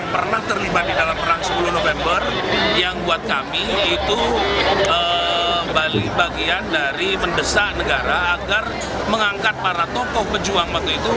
pembali bagian dari mendesak negara agar mengangkat para tokoh pejuang waktu itu